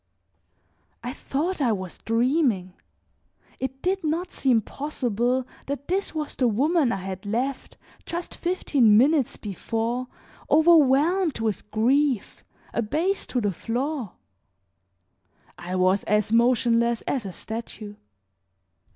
I thought I was dreaming; it did not seem possible that this was the woman I had left, just fifteen minutes before, overwhelmed with grief, abased to the floor; I was as motionless as a statue.